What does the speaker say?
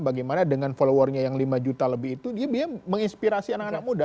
bagaimana dengan followernya yang lima juta lebih itu dia menginspirasi anak anak muda